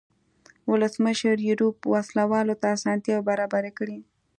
ولسمشر یوریب وسله والو ته اسانتیاوې برابرې کړې.